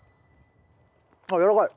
あっやわらかい。